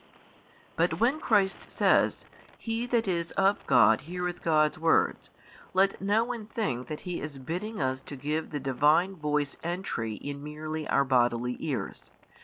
|661 But when Christ says, He that is of God heareth God's words, let no one think that He is bidding us to give the Divine voice entry in merely our bodily ears.